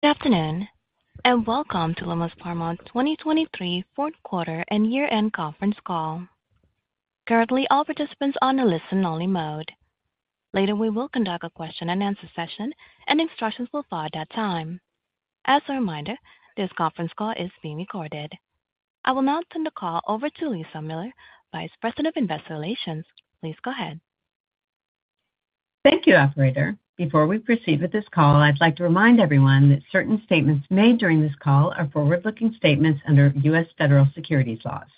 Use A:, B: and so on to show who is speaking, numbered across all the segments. A: Good afternoon, and welcome to Lumos Pharma's 2023 fourth quarter and year-end conference call. Currently, all participants are on a listen-only mode. Later, we will conduct a question-and-answer session, and instructions will follow at that time. As a reminder, this conference call is being recorded. I will now turn the call over to Lisa Miller, Vice President of Investor Relations. Please go ahead.
B: Thank you, operator. Before we proceed with this call, I'd like to remind everyone that certain statements made during this call are forward-looking statements under U.S. federal securities laws.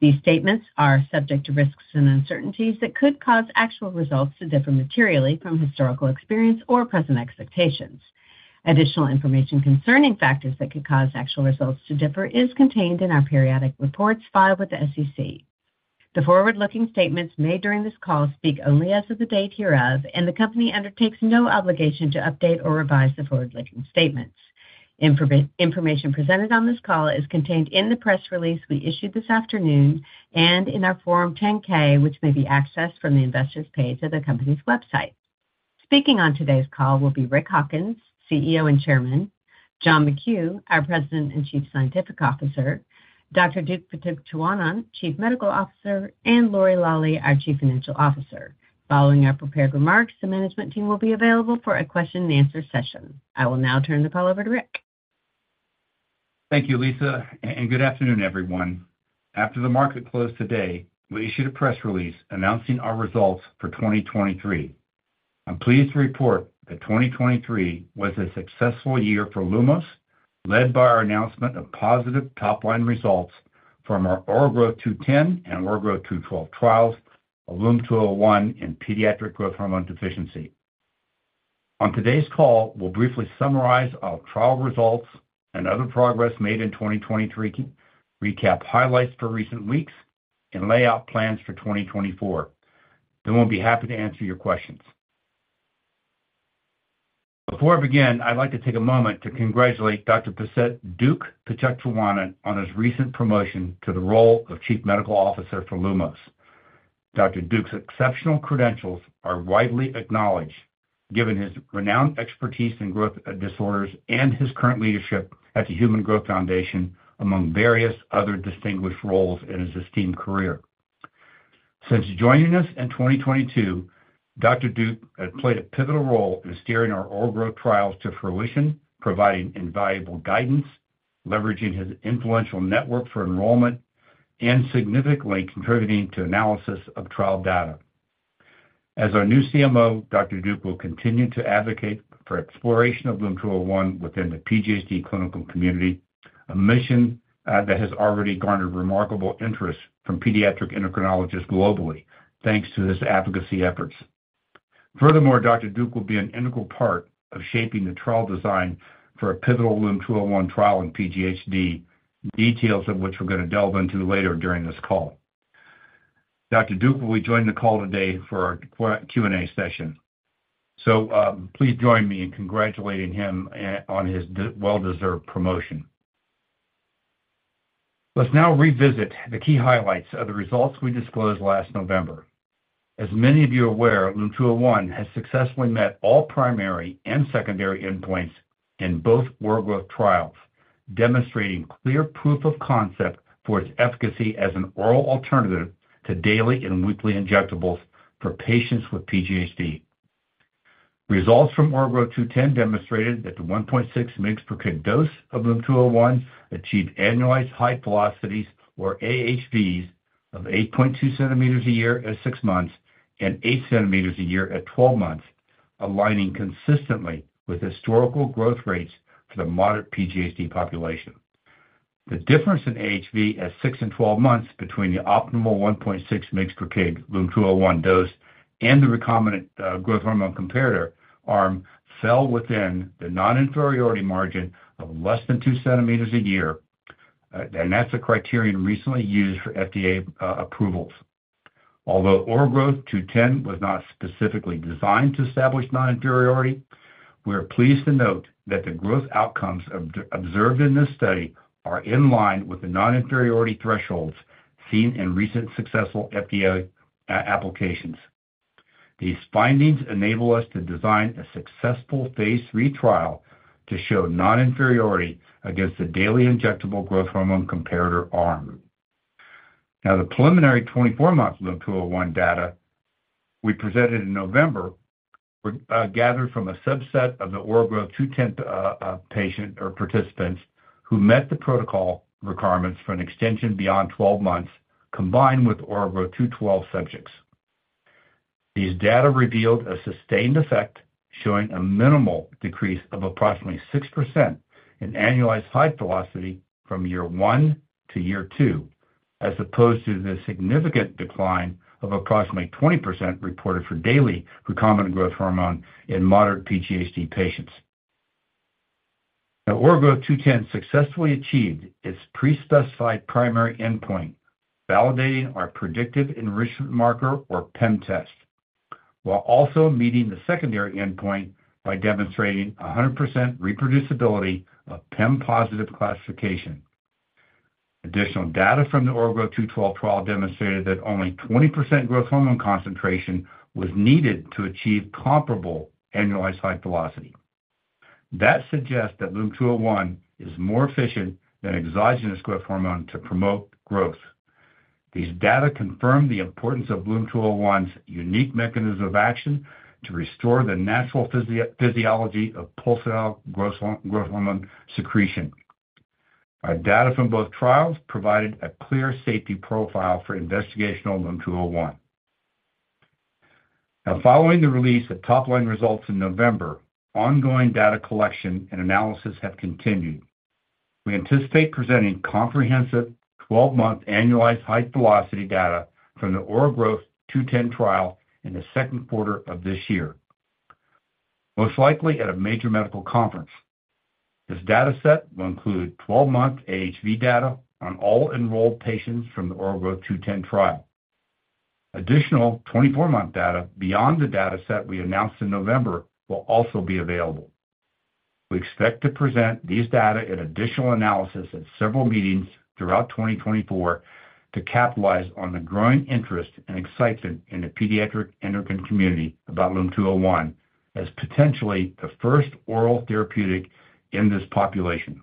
B: These statements are subject to risks and uncertainties that could cause actual results to differ materially from historical experience or present expectations. Additional information concerning factors that could cause actual results to differ is contained in our periodic reports filed with the SEC. The forward-looking statements made during this call speak only as of the date hereof, and the company undertakes no obligation to update or revise the forward-looking statements. Information presented on this call is contained in the press release we issued this afternoon and in our Form 10-K, which may be accessed from the Investors page of the company's website. Speaking on today's call will be Rick Hawkins, CEO and Chairman, John McKew, our President and Chief Scientific Officer, Dr. Duke Pitukcheewanont, Chief Medical Officer, and Lori Lawley, our Chief Financial Officer. Following our prepared remarks, the management team will be available for a question-and-answer session. I will now turn the call over to Rick.
C: Thank you, Lisa, and good afternoon, everyone. After the market closed today, we issued a press release announcing our results for 2023. I'm pleased to report that 2023 was a successful year for Lumos, led by our announcement of positive top-line results from our OraGrowtH210 and OraGrowtH212 trials of LUM-201 in pediatric growth hormone deficiency. On today's call, we'll briefly summarize our trial results and other progress made in 2023, recap highlights for recent weeks, and lay out plans for 2024. Then we'll be happy to answer your questions. Before I begin, I'd like to take a moment to congratulate Dr. Duke Pitukcheewanont on his recent promotion to the role of Chief Medical Officer for Lumos. Dr. Duke's exceptional credentials are widely acknowledged, given his renowned expertise in growth disorders and his current leadership at the Human Growth Foundation, among various other distinguished roles in his esteemed career. Since joining us in 2022, Dr. Duke has played a pivotal role in steering our OraGrowtH trials to fruition, providing invaluable guidance, leveraging his influential network for enrollment, and significantly contributing to analysis of trial data. As our new CMO, Dr. Duke will continue to advocate for exploration of LUM-201 within the PGHD clinical community, a mission that has already garnered remarkable interest from pediatric endocrinologists globally, thanks to his advocacy efforts. Furthermore, Dr. Duke will be an integral part of shaping the trial design for a pivotal LUM-201 trial in PGHD, details of which we're going to delve into later during this call. Dr. Duke will be joining the call today for our Q&A session. So, please join me in congratulating him on his well-deserved promotion. Let's now revisit the key highlights of the results we disclosed last November. As many of you are aware, LUM-201 has successfully met all primary and secondary endpoints in both OraGrowtH trials, demonstrating clear proof of concept for its efficacy as an oral alternative to daily and weekly injectables for patients with PGHD. Results from OraGrowtH210 demonstrated that the 1.6 mg/kg dose of LUM-201 achieved annualized height velocities, or AHVs, of 8.2 cm a year at six months and 8 cm a year at 12 months, aligning consistently with historical growth rates for the moderate PGHD population. The difference in AHV at six and 12 months between the optimal 1.6 mg/kg LUM-201 dose and the recombinant growth hormone comparator arm fell within the non-inferiority margin of less than 2 cm a year, and that's a criterion recently used for FDA approvals. Although OraGrowtH210 was not specifically designed to establish non-inferiority, we are pleased to note that the growth outcomes observed in this study are in line with the non-inferiority thresholds seen in recent successful FDA applications. These findings enable us to design a successful phase III trial to show non-inferiority against the daily injectable growth hormone comparator arm. Now, the preliminary 24-month LUM-201 data we presented in November were gathered from a subset of the OraGrowtH210 patients or participants who met the protocol requirements for an extension beyond 12 months, combined with OraGrowtH212 subjects. These data revealed a sustained effect, showing a minimal decrease of approximately 6% in annualized height velocity from year one to year two, as opposed to the significant decline of approximately 20% reported for daily recombinant growth hormone in moderate PGHD patients. Now, OraGrowtH210 successfully achieved its pre-specified primary endpoint, validating our predictive enrichment marker, or PEM test, while also meeting the secondary endpoint by demonstrating 100% reproducibility of PEM-positive classification. Additional data from the OraGrowtH212 trial demonstrated that only 20% growth hormone concentration was needed to achieve comparable annualized height velocity. That suggests that LUM-201 is more efficient than exogenous growth hormone to promote growth. These data confirm the importance of LUM-201's unique mechanism of action to restore the natural physiology of pulsatile growth hormone, growth hormone secretion. Our data from both trials provided a clear safety profile for investigational LUM-201. Now, following the release of top-line results in November, ongoing data collection and analysis have continued. We anticipate presenting comprehensive 12-month annualized height velocity data from the OraGrowtH210 trial in the second quarter of this year, most likely at a major medical conference. This dataset will include 12-month AHV data on all enrolled patients from the OraGrowtH210 trial. Additional 24-month data beyond the dataset we announced in November will also be available. We expect to present these data in additional analysis at several meetings throughout 2024 to capitalize on the growing interest and excitement in the pediatric endocrine community about LUM-201 as potentially the first oral therapeutic in this population.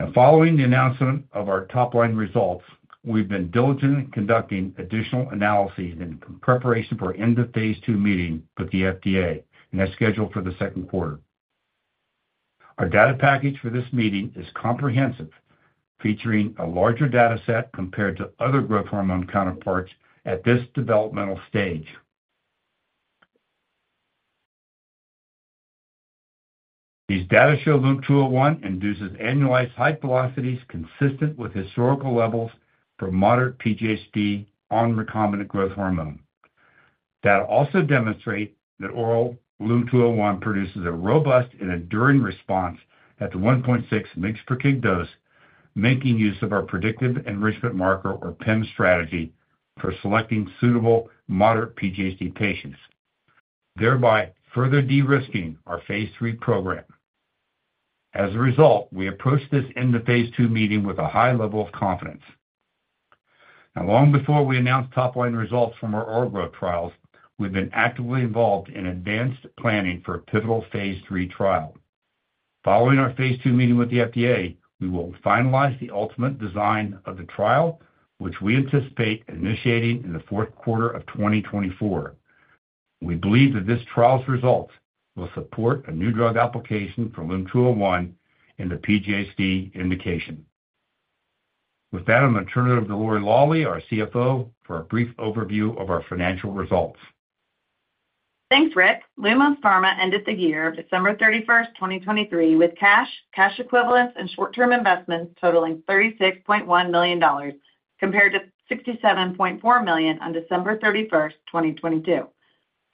C: Now, following the announcement of our top-line results, we've been diligently conducting additional analyses in preparation for end-of-phase II meeting with the FDA, and that's scheduled for the second quarter. Our data package for this meeting is comprehensive, featuring a larger dataset compared to other growth hormone counterparts at this developmental stage. These data show LUM-201 induces annualized height velocities consistent with historical levels for moderate PGHD on recombinant growth hormone. Data also demonstrate that oral LUM-201 produces a robust and enduring response at the 1.6 mg/kg dose, making use of our predictive enrichment marker, or PEM strategy, for selecting suitable moderate PGHD patients, thereby further de-risking our phase III program. As a result, we approach this end-of-phase II meeting with a high level of confidence. Now, long before we announced top-line results from our OraGrowtH trials, we've been actively involved in advanced planning for a pivotal phase III trial. Following our phase II meeting with the FDA, we will finalize the ultimate design of the trial, which we anticipate initiating in the fourth quarter of 2024. We believe that this trial's results will support a new drug application for LUM-201 in the PGHD indication. With that, I'm going to turn it over to Lori Lawley, our CFO, for a brief overview of our financial results.
D: Thanks, Rick. Lumos Pharma ended the year, December 31st, 2023, with cash, cash equivalents, and short-term investments totaling $36.1 million, compared to $67.4 million on December 31st, 2022.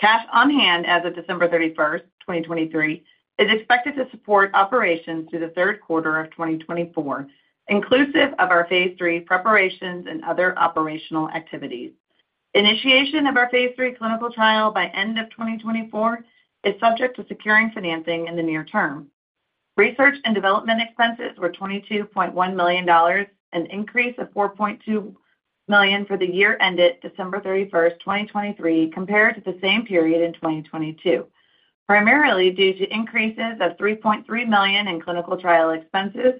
D: Cash on hand as of December 31st, 2023, is expected to support operations through the third quarter of 2024, inclusive of our phase III preparations and other operational activities. Initiation of our phase III clinical trial by end of 2024 is subject to securing financing in the near term. Research and development expenses were $22.1 million, an increase of $4.2 million for the year ended December 31st, 2023, compared to the same period in 2022, primarily due to increases of $3.3 million in clinical trial expenses,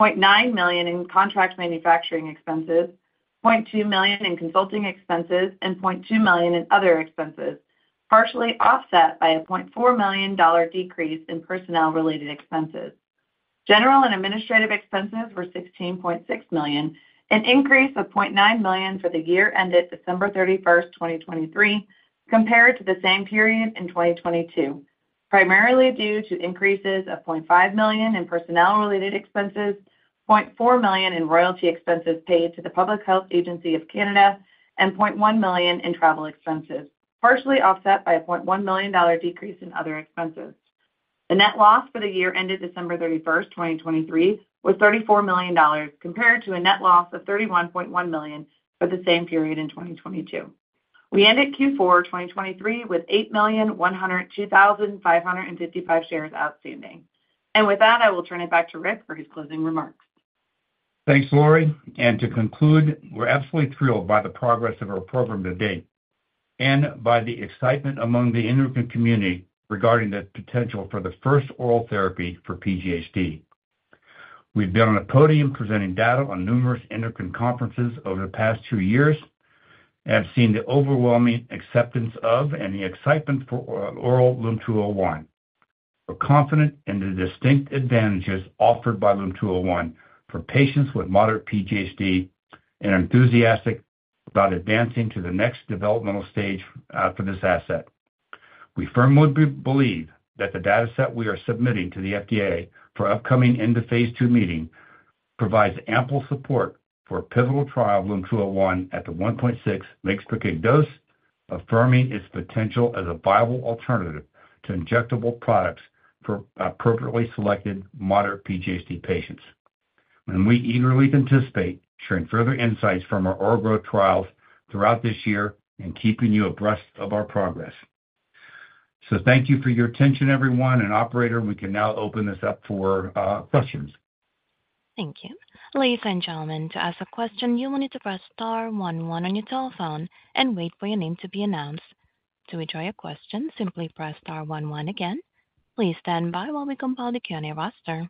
D: $0.9 million in contract manufacturing expenses, $0.2 million in consulting expenses, and $0.2 million in other expenses, partially offset by a $0.4 million decrease in personnel-related expenses. General and administrative expenses were $16.6 million, an increase of $0.9 million for the year ended December 31st, 2023, compared to the same period in 2022, primarily due to increases of $0.5 million in personnel-related expenses, $0.4 million in royalty expenses paid to the Public Health Agency of Canada, and $0.1 million in travel expenses, partially offset by a $0.1 million decrease in other expenses. The net loss for the year ended December 31st, 2023, was $34 million, compared to a net loss of $31.1 million for the same period in 2022. We ended Q4 2023 with 8,102,555 shares outstanding. With that, I will turn it back to Rick for his closing remarks.
C: Thanks, Lori. To conclude, we're absolutely thrilled by the progress of our program to date and by the excitement among the endocrine community regarding the potential for the first oral therapy for PGHD. We've been on a podium presenting data on numerous endocrine conferences over the past two years and have seen the overwhelming acceptance of and the excitement for oral LUM-201. We're confident in the distinct advantages offered by LUM-201 for patients with moderate PGHD and are enthusiastic about advancing to the next developmental stage for this asset. We firmly believe that the dataset we are submitting to the FDA for upcoming end-of-phase II meeting provides ample support for a pivotal trial of LUM-201 at the 1.6 mg/kg dose, affirming its potential as a viable alternative to injectable products for appropriately selected moderate PGHD patients. We eagerly anticipate sharing further insights from our OraGrowtH trials throughout this year and keeping you abreast of our progress. Thank you for your attention, everyone, and operator, we can now open this up for questions.
A: Thank you. Ladies and gentlemen, to ask a question, you will need to press star one one on your telephone and wait for your name to be announced. To withdraw your question, simply press star one one again. Please stand by while we compile the Q&A roster.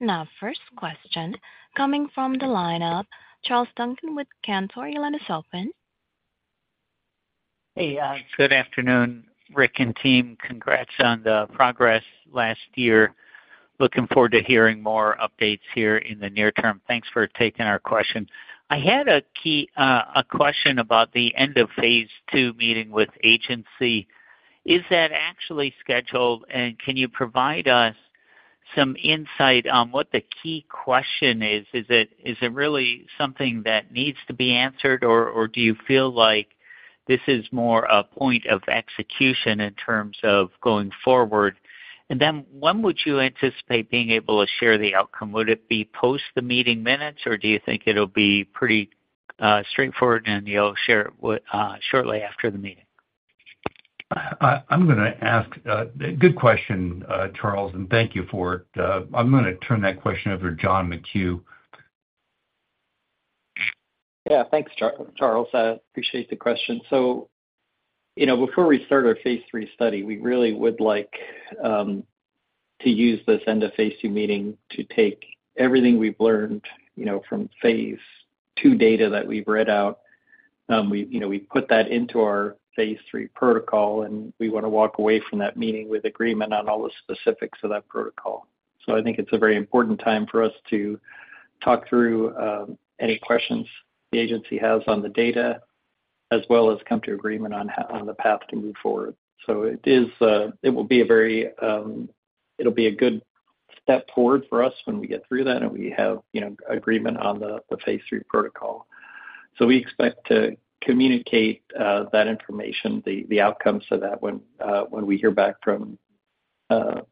A: Now, first question coming from the line of Charles Duncan with Cantor. Your line is open.
E: Hey, good afternoon, Rick and team. Congrats on the progress last year. Looking forward to hearing more updates here in the near term. Thanks for taking our question. I had a key, a question about the end-of-phase II meeting with agency. Is that actually scheduled, and can you provide us some insight on what the key question is? Is it really something that needs to be answered, or do you feel like this is more a point of execution in terms of going forward? And then when would you anticipate being able to share the outcome? Would it be post the meeting minutes, or do you think it'll be pretty, straightforward and you'll share it with, shortly after the meeting?
C: I'm gonna ask. Good question, Charles, and thank you for it. I'm gonna turn that question over to John McKew.
F: Yeah, thanks, Charles. I appreciate the question. So, you know, before we start our phase III study, we really would like to use this end-of-phase II meeting to take everything we've learned, you know, from phase II data that we've read out. We, you know, we put that into our phase III protocol, and we wanna walk away from that meeting with agreement on all the specifics of that protocol. So I think it's a very important time for us to talk through any questions the agency has on the data, as well as come to agreement on the path to move forward. So it is, it will be a very, it'll be a good step forward for us when we get through that and we have, you know, agreement on the phase III protocol. So we expect to communicate that information, the outcomes of that when we hear back from the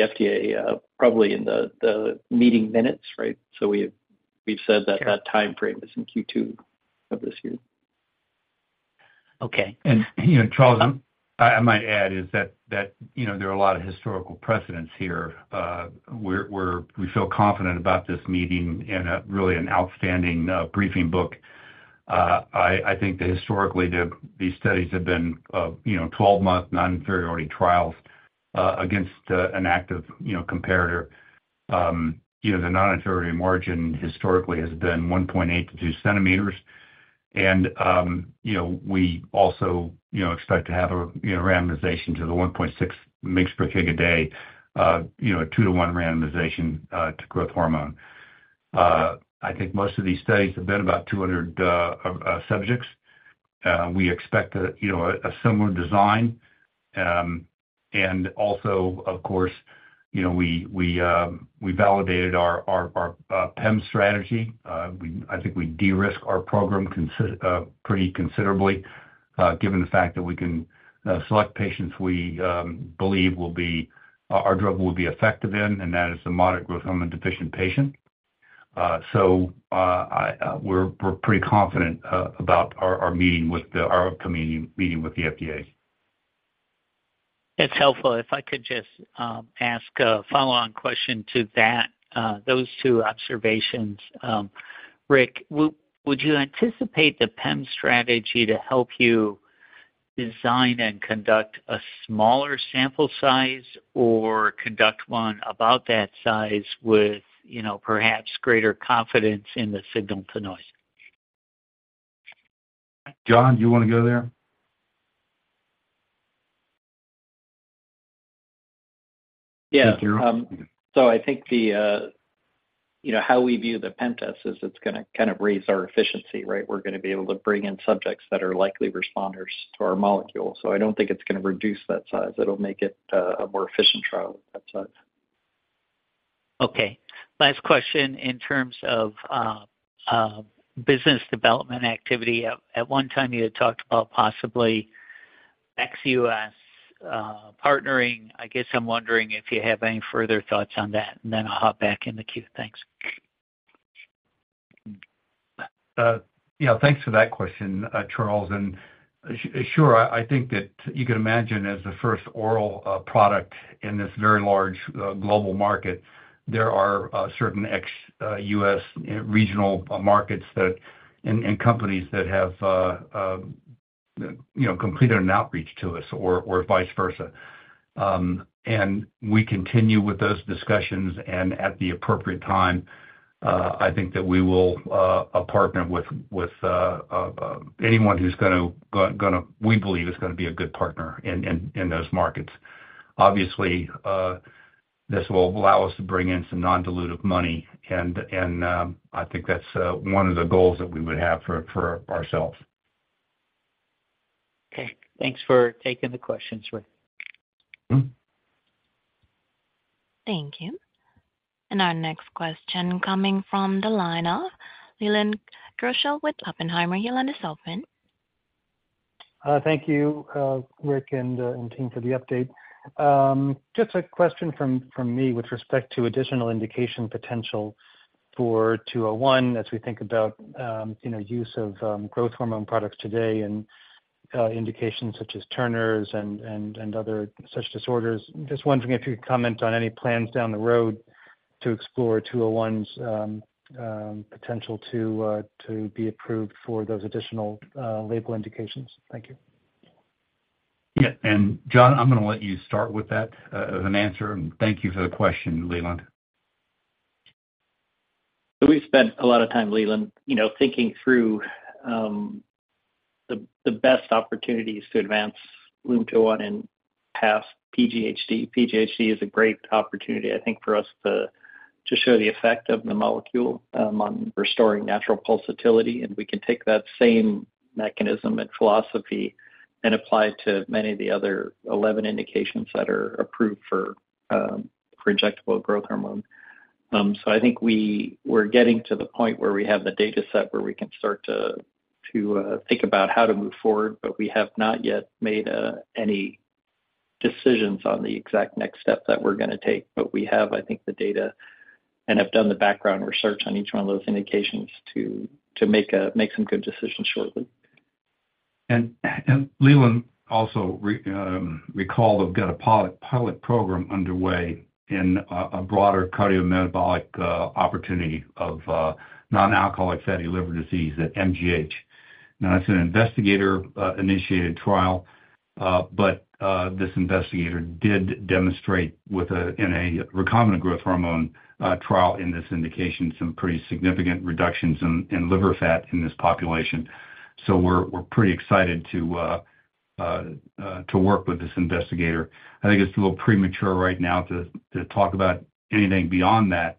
F: FDA, probably in the meeting minutes, right? So we've said that that timeframe is in Q2 of this year.
E: Okay.
C: You know, Charles, I might add that, you know, there are a lot of historical precedents here. We're we feel confident about this meeting and really an outstanding briefing book. I think that historically, these studies have been, you know, 12-month non-inferiority trials against an active comparator. You know, the non-inferiority margin historically has been 1.8 cm-2 cm. You know, we also expect to have a randomization to the 1.6 mg/kg per day, you know, a 2-to-1 randomization to growth hormone. I think most of these studies have been about 200 subjects. We expect a similar design. And also, of course, you know, we validated our PEM strategy. I think we de-risk our program pretty considerably, given the fact that we can select patients we believe will be our drug will be effective in, and that is the moderate growth hormone-deficient patient. So, we're pretty confident about our upcoming meeting with the FDA.
E: It's helpful. If I could just ask a follow-on question to that, those two observations, Rick, would you anticipate the PEM strategy to help you design and conduct a smaller sample size or conduct one about that size with, you know, perhaps greater confidence in the signal to noise?
C: John, do you wanna go there?
F: Yeah.
C: Okay.
F: So I think the you know how we view the PEM test is it's gonna kind of raise our efficiency, right? We're gonna be able to bring in subjects that are likely responders to our molecule. So I don't think it's gonna reduce that size. It'll make it a more efficient trial of that size.
E: Okay. Last question in terms of business development activity. At one time, you had talked about possibly ex-U.S. partnering. I guess I'm wondering if you have any further thoughts on that, and then I'll hop back in the queue. Thanks.
C: Yeah, thanks for that question, Charles. Sure, I think that you can imagine as the first oral product in this very large global market, there are certain ex-U.S. regional markets that, and companies that have, you know, completed an outreach to us or vice versa. And we continue with those discussions, and at the appropriate time, I think that we will partner with anyone who, we believe, is gonna be a good partner in those markets. Obviously, this will allow us to bring in some non-dilutive money, and I think that's one of the goals that we would have for ourselves.
E: Okay. Thanks for taking the questions, Rick.
C: Mm-hmm.
A: Thank you. And our next question coming from the line of Leland Gershell with Oppenheimer. Your line is open.
G: Thank you, Rick and the team for the update. Just a question from me with respect to additional indication potential for 201, as we think about, you know, use of growth hormone products today and indications such as Turner’s and other such disorders. Just wondering if you could comment on any plans down the road to explore 201’s potential to be approved for those additional label indications. Thank you.
C: Yeah. And John, I'm gonna let you start with that, with an answer, and thank you for the question, Leland.
F: We've spent a lot of time, Leland, you know, thinking through the best opportunities to advance LUM-201 past PGHD. PGHD is a great opportunity, I think, for us to show the effect of the molecule on restoring natural pulsatility. And we can take that same mechanism and philosophy and apply it to many of the other 11 indications that are approved for injectable growth hormone. So I think we're getting to the point where we have the data set, where we can start to think about how to move forward, but we have not yet made any decisions on the exact next step that we're gonna take. But we have, I think, the data and have done the background research on each one of those indications to make some good decisions shortly.
C: And Leland, also recall, we've got a pilot program underway in a broader cardiometabolic opportunity of non-alcoholic fatty liver disease at MGH. Now, it's an investigator-initiated trial, but this investigator did demonstrate within a recombinant growth hormone trial in this indication, some pretty significant reductions in liver fat in this population. So we're pretty excited to work with this investigator. I think it's a little premature right now to talk about anything beyond that,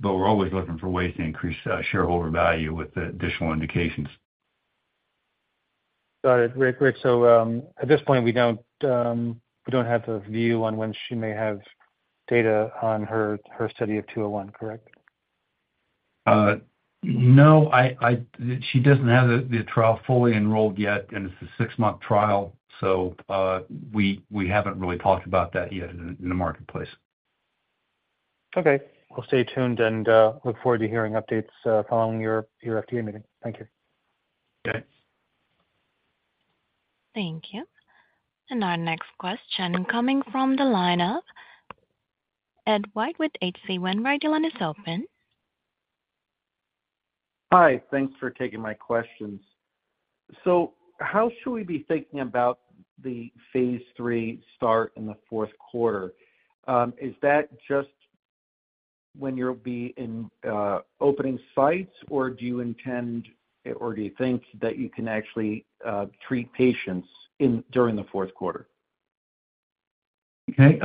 C: but we're always looking for ways to increase shareholder value with the additional indications.
G: Got it. Great, great. So, at this point, we don't have a view on when she may have data on her study of 201, correct?
C: No, she doesn't have the trial fully enrolled yet, and it's a six-month trial, so we haven't really talked about that yet in the marketplace.
G: Okay. We'll stay tuned and, look forward to hearing updates, following your, your FDA meeting. Thank you.
C: Okay.
A: Thank you. Our next question coming from the line of Ed White with H.C. Wainwright. Your line is open.
H: Hi. Thanks for taking my questions. So how should we be thinking about the phase III start in the fourth quarter? Is that just when you'll be opening sites, or do you think that you can actually treat patients during the fourth quarter?
C: Okay.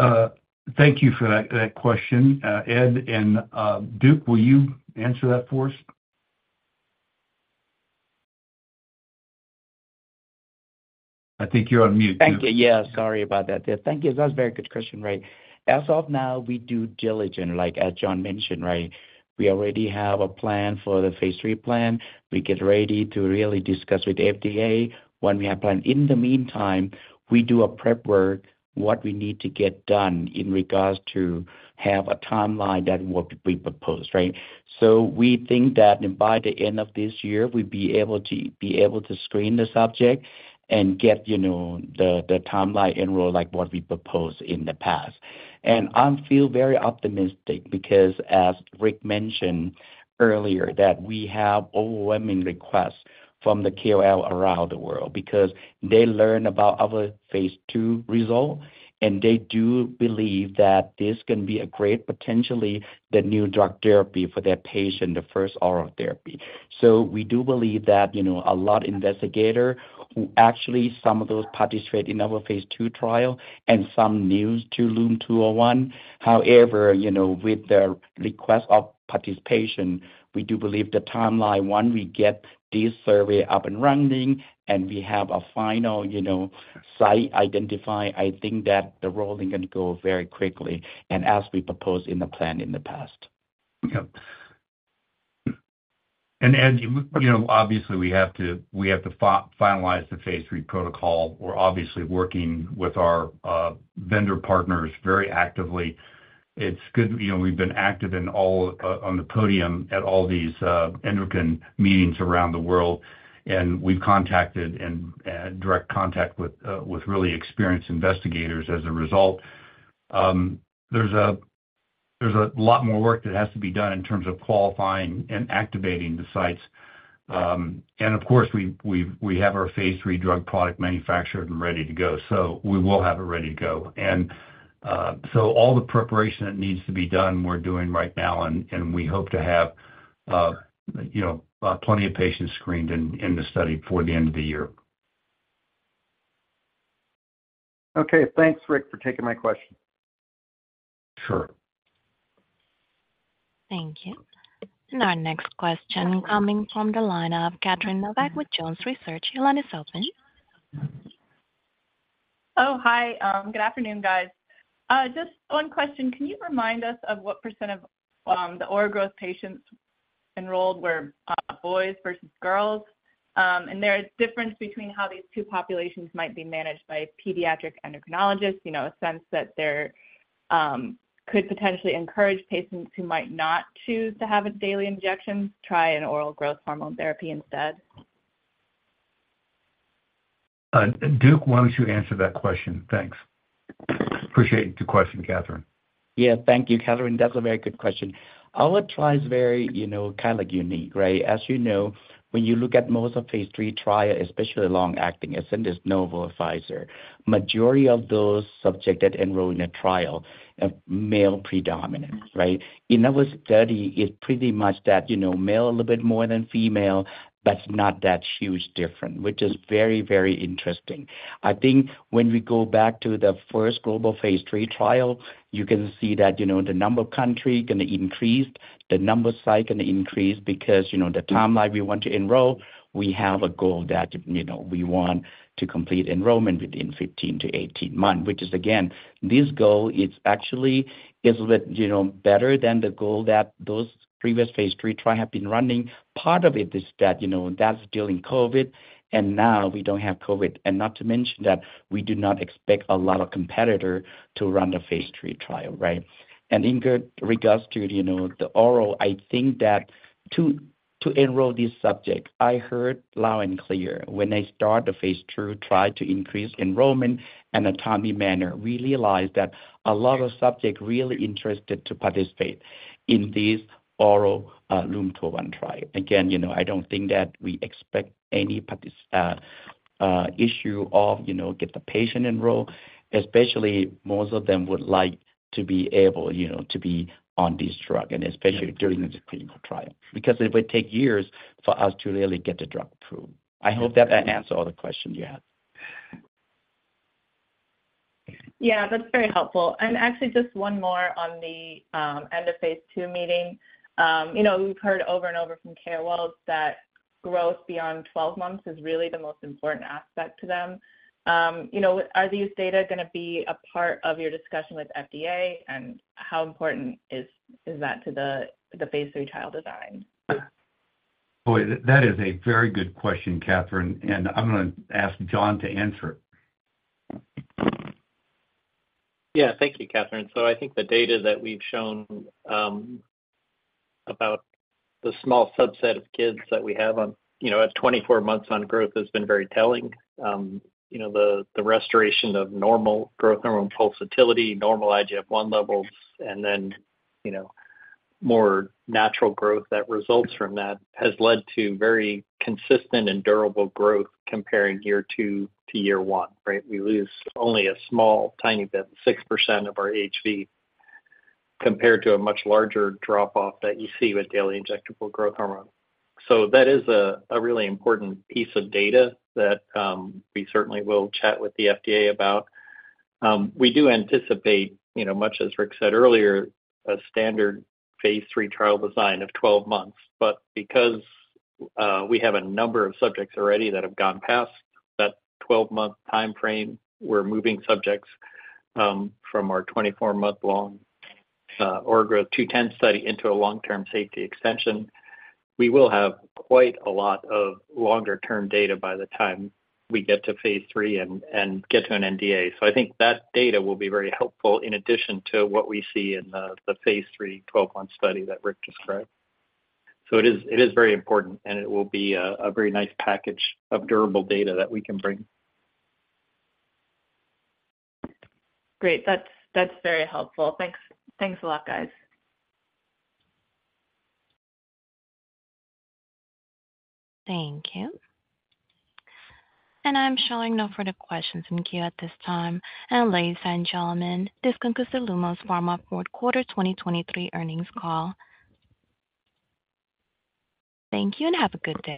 C: Thank you for that question, Ed. And, Duke, will you answer that for us? I think you're on mute.
I: Thank you. Yeah, sorry about that. Thank you. That's a very good question, right? As of now, we do due diligence, like as John mentioned, right? We already have a plan for the phase III plan. We get ready to really discuss with FDA when we have plan. In the meantime, we do a prep work, what we need to get done in regards to have a timeline that will be proposed, right? So we think that by the end of this year, we'll be able to screen the subject and get, you know, the timeline enroll, like what we proposed in the past. I feel very optimistic because, as Rick mentioned earlier, that we have overwhelming requests from the KOL around the world because they learn about our phase II result, and they do believe that this can be a great, potentially, the new drug therapy for their patient, the first oral therapy. So we do believe that, you know, a lot investigator, who actually some of those participate in our phase II trial and some new to LUM-201. However, you know, with the request of participation, we do believe the timeline, once we get this study up and running and we have a final, you know, site identified, I think that the rolling going to go very quickly and as we propose in the plan in the past.
C: Yeah. And, Ed, you know, obviously, we have to finalize the phase III protocol. We're obviously working with our vendor partners very actively. It's good. You know, we've been active in all on the podium at all these endocrine meetings around the world, and we've contacted and direct contact with really experienced investigators as a result. There's a lot more work that has to be done in terms of qualifying and activating the sites. And of course, we have our phase III drug product manufactured and ready to go, so we will have it ready to go. So all the preparation that needs to be done, we're doing right now, and we hope to have, you know, plenty of patients screened in the study before the end of the year.
H: Okay. Thanks, Rick, for taking my question.
C: Sure.
A: Thank you. Our next question coming from the line of Catherine Novack with Jones Research. Your line is open.
J: Oh, hi. Good afternoon, guys. Just one question. Can you remind us of what percent of the oral growth patients enrolled were boys versus girls? And there is difference between how these two populations might be managed by pediatric endocrinologists, you know, a sense that there could potentially encourage patients who might not choose to have a daily injection, try an oral growth hormone therapy instead.
C: Duke, why don't you answer that question? Thanks. Appreciate the question, Catherine.
I: Yeah. Thank you, Catherine. That's a very good question. Our trial is very, you know, kind of like unique, right? As you know, when you look at most of phase III trials, especially long acting, as in this Novo, Pfizer. Majority of those subjects that enroll in a trial are male predominant, right? In our study, it's pretty much that, you know, male a little bit more than female, but not that huge different, which is very, very interesting. I think when we go back to the first global phase III trial, you can see that, you know, the number of country going to increase, the number of site going to increase because, you know, the timeline we want to enroll, we have a goal that, you know, we want to complete enrollment within 15-18 months. Which is again, this goal is actually a little, you know, better than the goal that those previous phase III trial have been running. Part of it is that, you know, that's during COVID, and now we don't have COVID. And not to mention that we do not expect a lot of competitor to run the phase III trial, right? And in good regards to, you know, the oral, I think that to enroll this subject, I heard loud and clear when I start the phase II trial to increase enrollment in a timely manner. We realized that a lot of subjects really interested to participate in this oral, LUM-201 trial. Again, you know, I don't think that we expect any particular issue of, you know, getting the patient enrolled, especially most of them would like to be able, you know, to be on this drug, and especially during the clinical trial, because it would take years for us to really get the drug approved. I hope that I answered all the questions you had.
J: Yeah, that's very helpful. And actually, just one more on the end-of-phase II meeting. You know, we've heard over and over from KOLs that growth beyond 12 months is really the most important aspect to them. You know, are these data gonna be a part of your discussion with FDA? And how important is that to the phase III trial design?
C: Boy, that is a very good question, Catherine, and I'm going to ask John to answer it.
F: Yeah. Thank you, Catherine. So I think the data that we've shown about the small subset of kids that we have on, you know, at 24 months on growth has been very telling. You know, the restoration of normal growth, normal pulsatility, normal IGF-1 levels, and then, you know, more natural growth that results from that, has led to very consistent and durable growth comparing year two to year one, right? We lose only a small, tiny bit, 6% of our HV, compared to a much larger drop off that you see with daily injectable growth hormone. So that is a really important piece of data that we certainly will chat with the FDA about. We do anticipate, you know, much as Rick said earlier, a standard phase III trial design of 12 months. But because we have a number of subjects already that have gone past that 12-month timeframe, we're moving subjects from our 24-month long OraGrowtH210 study into a long-term safety extension. We will have quite a lot of longer-term data by the time we get to phase III and get to an NDA. So I think that data will be very helpful in addition to what we see in the phase III 12-month study that Rick described. So it is, it is very important, and it will be a very nice package of durable data that we can bring.
J: Great. That's, that's very helpful. Thanks. Thanks a lot, guys.
A: Thank you. I'm showing no further questions in queue at this time. Ladies and gentlemen, this concludes Lumos Pharma fourth quarter 2023 earnings call. Thank you, and have a good day.